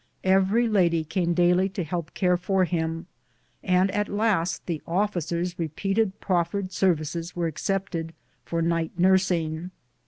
125 Every lady came daily to help care for him, and at last the officers' repeatedly proffered services were accepted for night nursing.